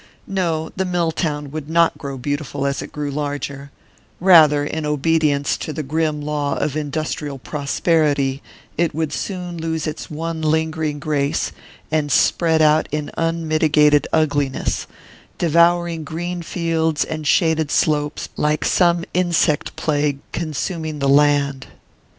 No the mill town would not grow beautiful as it grew larger rather, in obedience to the grim law of industrial prosperity, it would soon lose its one lingering grace and spread out in unmitigated ugliness, devouring green fields and shaded slopes like some insect plague consuming the land.